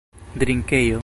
drinkejo